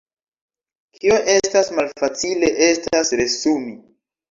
Kio estas malfacile estas resumi.